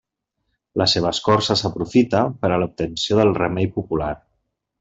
La seva escorça s'aprofita per a l'obtenció del remei popular.